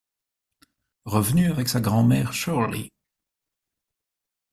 Revenue avec sa grand mère Sherley.